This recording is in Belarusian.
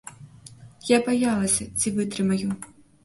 Я баялася, ці вытрымаю.